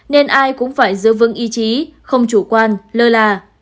nên ai cũng phải giữ vững ý chí không chủ quan lơ là